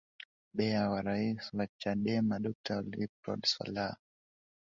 bea wa rais wa chadema dokta wilprod slaah